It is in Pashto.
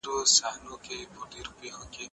زه اجازه لرم چي پاکوالي وساتم؟